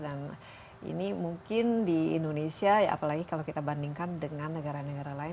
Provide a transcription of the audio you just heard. dan ini mungkin di indonesia ya apalagi kalau kita bandingkan dengan negara negara lain